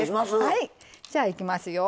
じゃあいきますよ。